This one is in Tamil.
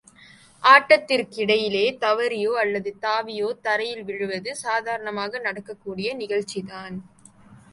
ஆட்டத்திற்கிடையிலே தவறியோ அல்லது தாவியோ தரையில் விழுவது சாதாரணமாக நடக்கக் கூடிய நிகழ்ச்சிதான்.